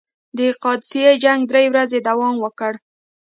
د قادسیې جنګ درې ورځې دوام وکړ.